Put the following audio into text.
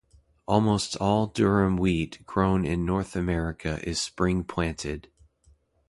Almost all durum wheat grown in North America is spring-planted.